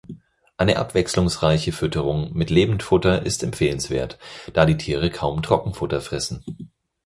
Eine abwechslungsreiche Fütterung mit Lebendfutter ist empfehlenswert, da die Tiere kaum Trockenfutter fressen.